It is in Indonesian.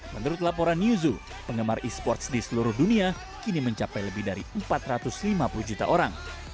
menurut laporan newzoo penggemar e sports di seluruh dunia kini mencapai lebih dari empat ratus lima puluh juta orang